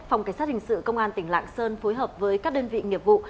phòng cảnh sát hình sự công an tỉnh lạng sơn phối hợp với các đơn vị nghiệp vụ